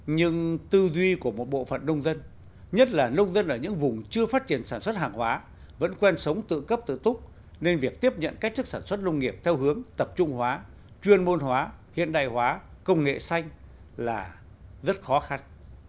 nhưng tư duy của một bộ phận nông dân nhất là nông dân ở những vùng chưa phát triển sản xuất hàng hóa vẫn quen sống tự cấp tự túc nên việc tiếp nhận cách thức sản xuất nông nghiệp theo hướng tập trung hóa chuyên môn hóa hiện đại hóa công nghệ xanh là rất khó khăn